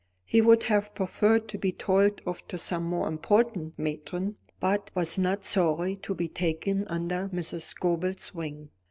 He would have preferred to be told off to some more important matron, but was not sorry to be taken under Mrs. Scobel's wing.